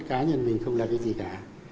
cá nhân mình không là cái gì cả